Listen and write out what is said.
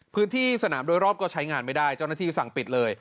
พื้นที่สนามโดยรอบก็ใช้งานไม่ได้เจ้าหน้าที่สั่งปิดเลย